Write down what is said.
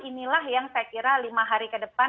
inilah yang saya kira lima hari ke depan